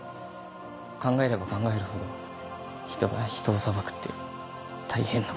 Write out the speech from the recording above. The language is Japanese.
考えれば考えるほど人が人を裁くって大変なことだな。